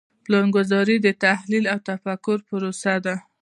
پلانګذاري د تحلیل او تفکر پروسه ده.